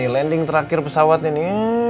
landing terakhir pesawat ini